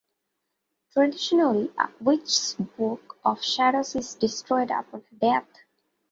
Traditionally, a Witch's book of shadows is destroyed upon death.